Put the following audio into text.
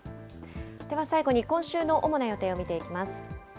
では、最後に今週の主な予定を見ていきます。